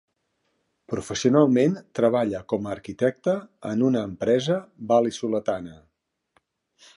Professionalment treballa com a arquitecta en una empresa val·lisoletana.